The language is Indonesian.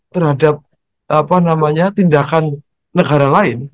terhadap tindakan negara lain